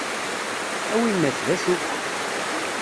A winnat d acu-k?